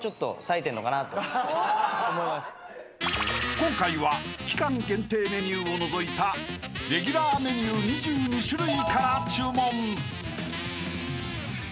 ［今回は期間限定メニューを除いたレギュラーメニュー２２種類から注文］